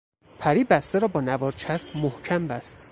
پری بسته را با نوار چسب محکم بست.